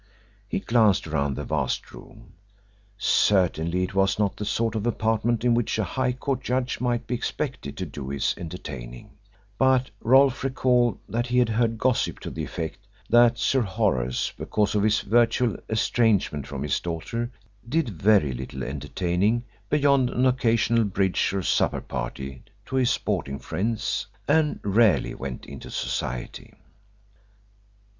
He glanced around the vast room. Certainly it was not the sort of apartment in which a High Court judge might be expected to do his entertaining, but Rolfe recalled that he had heard gossip to the effect that Sir Horace, because of his virtual estrangement from his daughter, did very little entertaining beyond an occasional bridge or supper party to his sporting friends, and rarely went into Society.